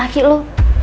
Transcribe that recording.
emaknya udah nyokap